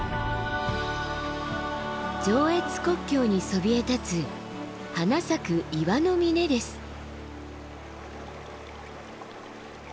上越国境にそびえ立つ花咲く岩の峰です。